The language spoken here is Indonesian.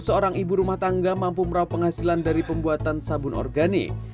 seorang ibu rumah tangga mampu merauh penghasilan dari pembuatan sabun organik